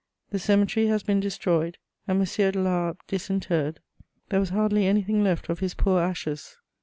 The cemetery has been destroyed and M. de La Harpe disinterred: there was hardly anything left of his poor ashes.